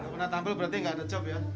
pernah tampil berarti nggak ada job ya